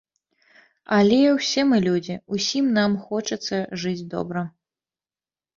Але ўсе мы людзі, усім нам хочацца жыць добра.